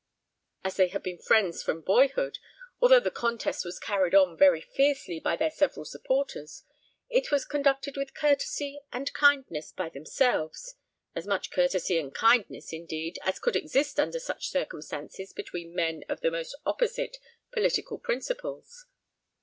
As they had been friends from boyhood, although the contest was carried on very fiercely by their several supporters, it was conducted with courtesy and kindness by themselves as much courtesy and kindness, indeed, as could exist under such circumstances between men of the most opposite political principles.